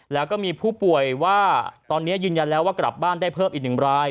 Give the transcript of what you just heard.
แล้วก็มีผู้ป่วยว่าตอนนี้ยืนยันแล้วว่ากลับบ้านได้เพิ่มอีก๑ราย